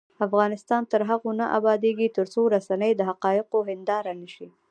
افغانستان تر هغو نه ابادیږي، ترڅو رسنۍ د حقایقو هنداره نشي.